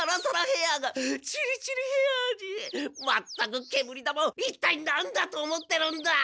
まったく煙玉をいったいなんだと思ってるんだ！